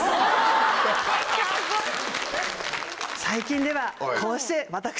最近ではこうして私。